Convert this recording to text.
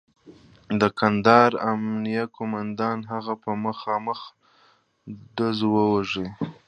د کندهار امنیه قوماندان هغه په مخامخ ډزو وواژه.